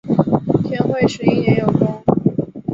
天会十一年有功。